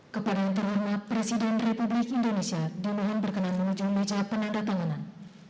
kepada yang terhormat presiden republik indonesia dimohon berkenan menuju meja penanda tanganan